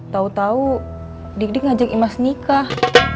tau tau dik dik ngajak imas nikah